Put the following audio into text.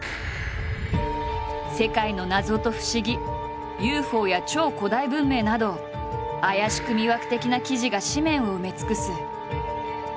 世界の謎と不思議ＵＦＯや超古代文明など怪しく魅惑的な記事が誌面を埋め尽くす。